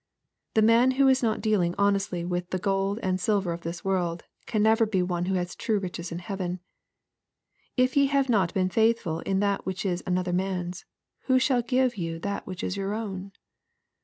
The man who is not dealing hon .estly with the gold and silver of this world, can never be one who has true riches in heaven. " If ye have not been faithful in that which is another man's, who shall give you that which is your own